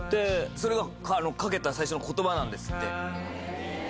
それが掛けた最初の言葉なんですって。